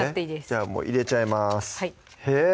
じゃあもう入れちゃいます